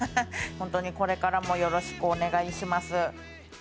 本当にこれからもよろしくお願いします。